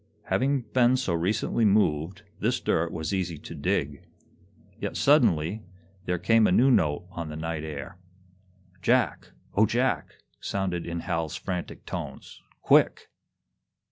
Having been so recently moved, this dirt was easy to dig. Yet, suddenly, there came a new note on the night air. "Jack, O Jack!" sounded in Hal's frantic tones. "Quick!"